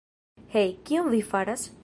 Hej, kion vi faras?